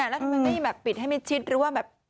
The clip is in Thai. แล้วทำไมไม่แบบปิดให้มิดชิดหรือว่าแบบ